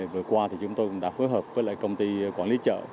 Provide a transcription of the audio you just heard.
vừa qua thì chúng tôi cũng đã phối hợp với lại công ty quản lý chợ